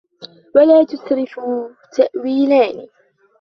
وَلَا تُسْرِفُوا تَأْوِيلَانِ